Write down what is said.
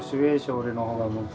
俺の方が。